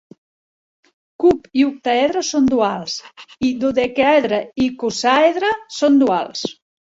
Cub i octaedre són duals, i dodecaedre i icosàedre són duals.